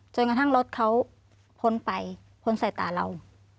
จนกระทั่งรถเขาพ้นไปพ้นใส่ตาเรา